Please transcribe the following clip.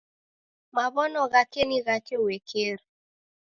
Maw'ono ghake ni ghake uekeri